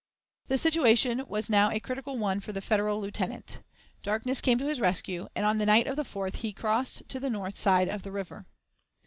The situation was now a critical one for the Federal lieutenant. Darkness came to his rescue, and on the night of the 4th be crossed to the north side of the river.